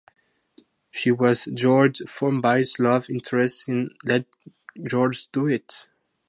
She was George Formby's love interest in Let George Do It!